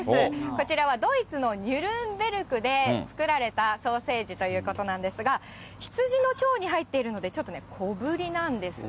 こちらはドイツのニュルンベルクで作られたソーセージということなんですが、ヒツジの腸に入っているので、ちょっとね、小ぶりなんですね。